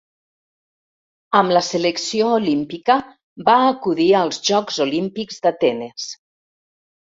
Amb la selecció olímpica va acudir als Jocs Olímpics d'Atenes.